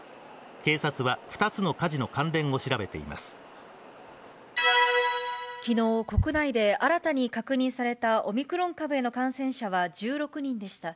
警察は２つの火事の関連を調べてきのう、国内で新たに確認されたオミクロン株への感染者は１６人でした。